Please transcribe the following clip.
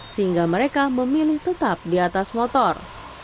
sehingga mereka memilih tetap di atas motor